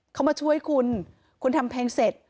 เขามาช่วยคุณคุณทำเพลงเสร็จ